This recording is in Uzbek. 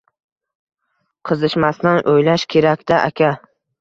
Qizishmasdan o‘ylash kerak-da aka